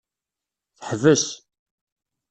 Teḥbes.